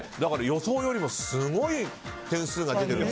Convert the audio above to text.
予想よりもすごい点数が出ている。